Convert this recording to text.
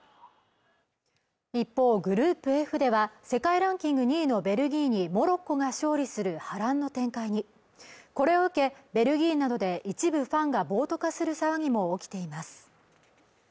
一方グループＦでは世界ランキング２位のベルギーにモロッコが勝利する波乱の展開にこれを受けベルギーなどで一部ファンが暴徒化する騒ぎも起きています